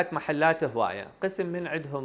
jadi banyak kedai kajian di irak